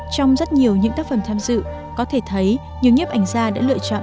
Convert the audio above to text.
trong rất nhiều những tác phẩm tham dự có thể thấy nhiều nhếp ảnh gia đã lựa chọn